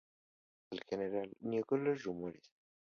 El general niega los rumores.